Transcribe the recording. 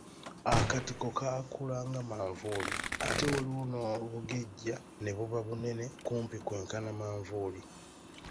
Akatiko kaakula nga manvuuli, ate waliwo n’obugejja ne buba bunene kumpi kwenkana manvuuli.